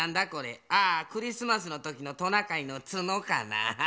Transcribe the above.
あクリスマスのときのトナカイのつのかな？